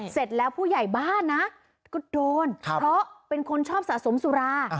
เสร็จแล้วผู้ใหญ่บ้านนะก็โดนเพราะเป็นคนชอบสะสมสุรา